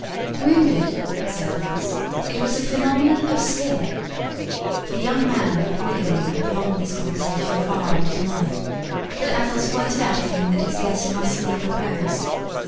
"Wounded!" said Athos; "it was a phenomenon of skill." The young man would willingly have prolonged this conversation far into the night, but Athos pointed out to him that his guest must need repose.